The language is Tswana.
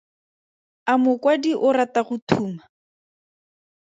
A mokwadi o rata go thuma?